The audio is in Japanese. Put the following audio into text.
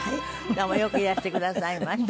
よくいらしてくださいました。